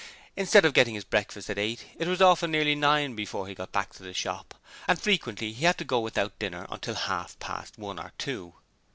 Instead of getting his breakfast at eight, it was often nearly nine before he got back to the shop, and frequently he had to go without dinner until half past one or two.